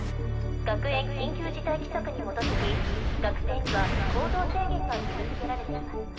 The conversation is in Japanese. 学園緊急事態規則に基づき学生には行動制限が義務づけられています。